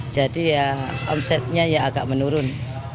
jadi ya omsetnya ya agak menurun